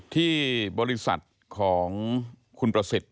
ที่บริษัทของคุณประสิทธิ์